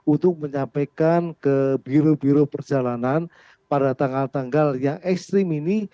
untuk menyampaikan ke biru biru perjalanan pada tanggal tanggal yang ekstrim ini